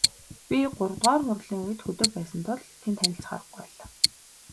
Би гуравдугаар хурлын үед хөдөө байсан тул тэнд танилцах аргагүй байлаа.